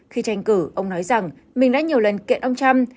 khi tranh cử ông nói rằng mình đã nhiều lần kiện ông trump